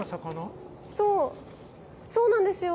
そう、そうなんですよ。